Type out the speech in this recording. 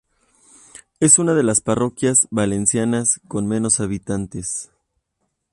Es una de las parroquias valencianas con menos habitantes.